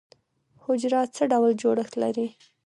حجره څه ډول جوړښت لري؟